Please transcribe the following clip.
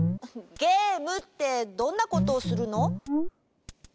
ゲームってどんなことをするの？